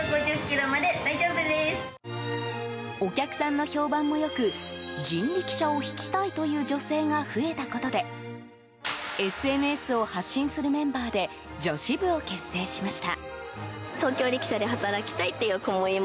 お客さんの評判も良く人力車を引きたいという女性が増えたことでＳＮＳを発信するメンバーで女子部を結成しました。